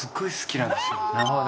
なるほど。